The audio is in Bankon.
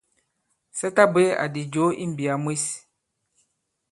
Sa ta bwě àdi jǒ i mbìyà mwes.